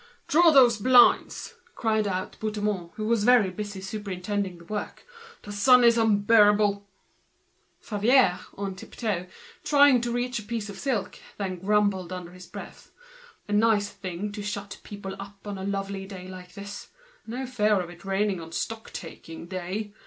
"Draw those blinds!" cried out Bouthemont, very busy superintending the work. "The sun is unbearable!" Favier, who was stretching to reach a piece, grumbled under his breath: "A nice thing to shut people up a lovely day like this! No fear of it raining on a stock taking day!